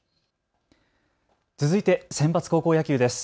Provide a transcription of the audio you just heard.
続いてセンバツ高校野球です。